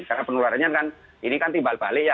karena penularannya kan ini kan timbal balik ya